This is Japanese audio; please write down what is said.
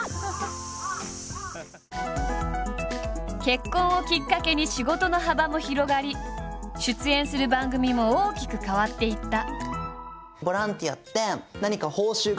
結婚をきっかけに仕事の幅も広がり出演する番組も大きく変わっていった。